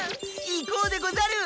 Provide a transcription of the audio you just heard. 行こうでござる！